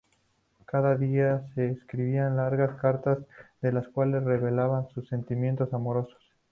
Cada día se escribían largas cartas en las cuales revelaban sus sentimientos amorosos.